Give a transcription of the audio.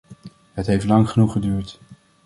Het heeft lang genoeg geduurd.